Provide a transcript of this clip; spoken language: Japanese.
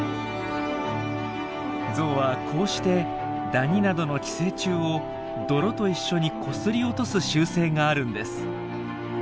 ゾウはこうしてダニなどの寄生虫を泥と一緒にこすり落とす習性があるんです。